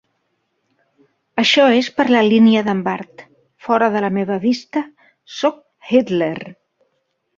Això és per la línia d'en Bart, "Fora de la meva vista, sóc Hitler".